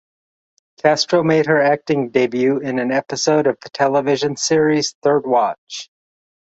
Castro made her acting debut in an episode of the television series, "Third Watch".